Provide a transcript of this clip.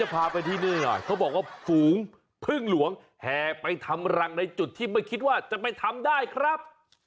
พาไปที่นี่หน่อยเขาบอกว่าฝูงพึ่งหลวงแห่ไปทำรังในจุดที่ไม่คิดว่าจะไปทำได้ครับ